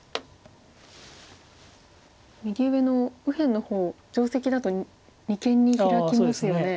右上の右辺の方定石だと二間にヒラきますよね。